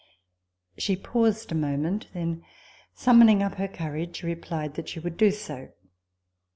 She paused a moment ; then summoning up her courage, she replied that she would do so.